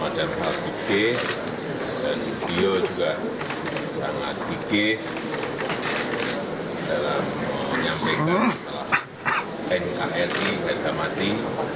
pada saat ini mbah mun juga sangat gigih dalam menyampaikan slogan nkri harga mati